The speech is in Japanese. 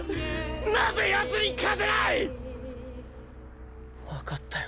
なぜヤツに勝てない⁉分かったよ